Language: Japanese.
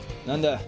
何だ？